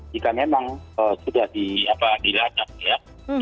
jika memang sudah dilacak ya